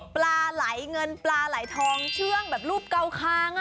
ปลาไหลเงินปลาไหลทองเชื่องแบบรูปเกาคาง